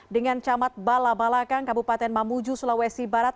dengan camat balabalakan kabupaten mamuju sulawesi barat